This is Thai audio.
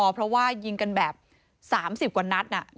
เพราะว่ายิงกันแบบ๓๐กว่านัด